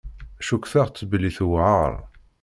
Ccukteɣ-tt belli tewεer.